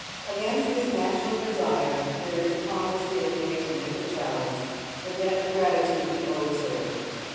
Against this natural desire there is the promise he has made to Linda Challice — the debt of gratitude he owes her.